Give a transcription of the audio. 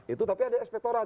itu tapi ada ekspektorat